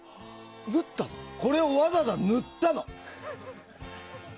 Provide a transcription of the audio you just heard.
これ、わざわざ塗ったのよ。